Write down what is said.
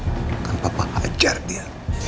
bukan papa hajar dia